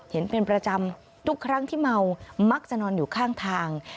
เห็นเป็นประจำทุกครั้งที่เมามักจะนอนอยู่ข้างทาง